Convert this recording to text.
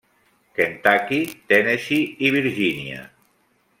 Kentucky, Tennessee i Virgínia.